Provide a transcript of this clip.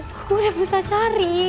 gue udah berusaha cari